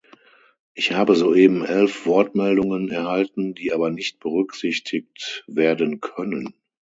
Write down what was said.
Ich habe soeben elf Wortmeldungen erhalten, die aber nicht berücksichtigt werden können.